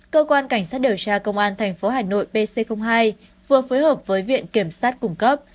cơ quan cảnh sát điều tra công an tp hà nội pc hai vừa phối hợp với viện kiểm sát cung cấp